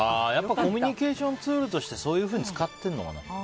コミュニケーションツールとして、そういうふうに使っているのかな。